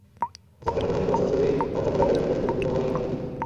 অর্থাৎ কেন তুমি অতীতে বসবাসকারী এমন সম্প্রদায় পেলে না, যারা পরিপূর্ণভাবে ঈমান এনেছিল?